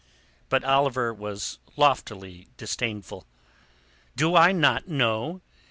But Oliver was loftily disdainful. "Do I not know?